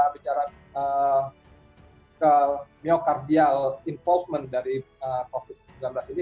bicara ke myokardial involvement dari covid sembilan belas ini